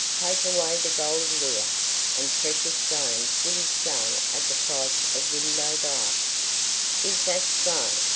Take away the gold lure, and precious stones wouldn't sell at the price of window glass." "Is that so?